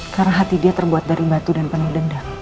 karena hati dia terbuat dari batu dan penuh dendam